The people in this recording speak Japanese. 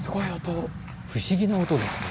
不思議な音ですね。